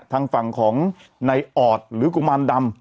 ทางฝั่งของนายออดหรือกุมารดำ